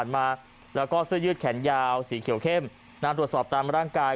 มาแล้วก็เสื้อยืดแขนยาวสีเขียวเข้มตรวจสอบตามร่างกาย